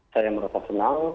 saya merasa senang